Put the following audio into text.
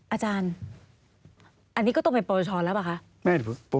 อาจารย์อันนี้ก็ต้องเป็นปฏิบัติล่ะป่าคะ